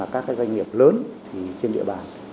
các doanh nghiệp lớn trên địa bàn